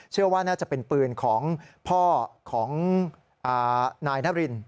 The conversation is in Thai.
เชื่อว่าน่าจะเป็นปืนของพ่อของนายนาริน